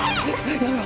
やめろ！